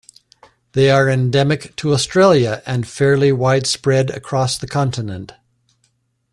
They are endemic to Australia and fairly widespread across the continent.